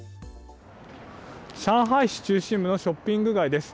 上海市中心部のショッピング街です。